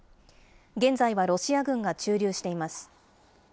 現在はロシア軍が駐留しています。